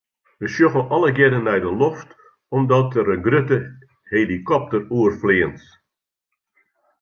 We sjogge allegearre nei de loft omdat der in grutte helikopter oerfleant.